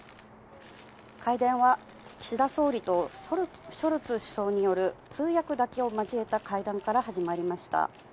会談は、岸田総理とショルツ首相による通訳だけを交えた会談から始まりました。